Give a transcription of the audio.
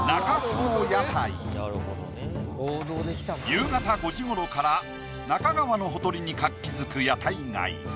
夕方５時ごろから那珂川のほとりに活気づく屋台街。